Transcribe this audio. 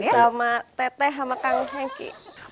sama teteh sama kang heki